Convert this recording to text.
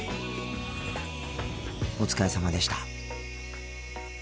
お疲れさまでした。